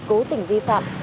cố tình vi phạm